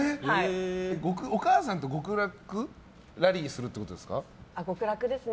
お母さんと極楽ラリーするってことですか？